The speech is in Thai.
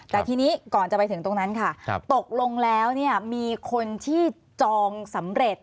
แต่ทีนี้ก่อนจะไปถึงตรงนั้นค่ะตกลงแล้วเนี่ยมีคนที่จองสำเร็จ